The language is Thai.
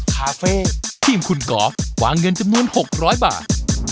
คาเฟ่ทีมคุณกอล์ฟวางเงินจำนวน๖๐๐บาท